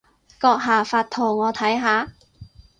閣下發圖我睇下